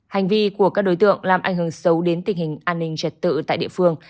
hành vi của các đối tượng làm ảnh hưởng xấu đến tình hình an ninh trật tự tại địa phương